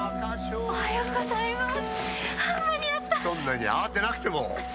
そんなに慌てなくても。